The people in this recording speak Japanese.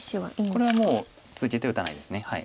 これはもう続けて打たないです。